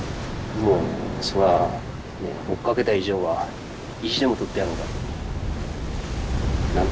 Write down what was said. もうそりゃ追っかけた以上は意地でも獲ってやろうと。